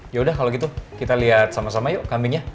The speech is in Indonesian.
yaudah kalo gitu kita liat sama sama yuk kambingnya